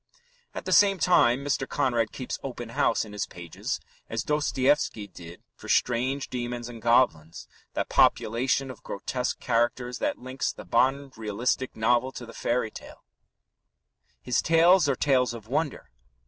At the same time, Mr. Conrad keeps open house in his pages as Dostoevsky did for strange demons and goblins that population of grotesque characters that links the modern realistic novel to the fairy tale. His tales are tales of wonder.